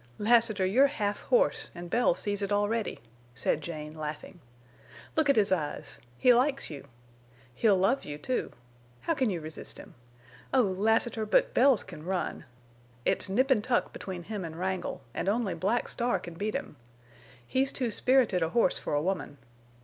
"Lassiter, you're half horse, and Bells sees it already," said Jane, laughing. "Look at his eyes. He likes you. He'll love you, too. How can you resist him? Oh, Lassiter, but Bells can run! It's nip and tuck between him and Wrangle, and only Black Star can beat him. He's too spirited a horse for a woman.